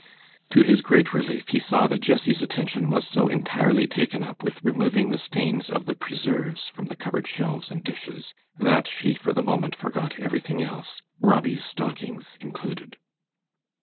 To his great relief he saw that Jessie's attention was so entirely taken up with removing the stains of the preserves from the cupboard shelves and dishes, that she for the moment forgot everything else, Robbie's stockings included.